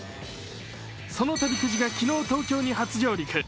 その旅くじが昨日、東京に初上陸。